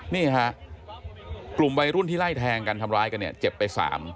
นี่ฮะกลุ่มวัยรุ่นที่ไล่แทงกันทำร้ายกันเนี่ยเจ็บไป๓